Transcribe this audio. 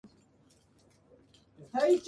楽しいか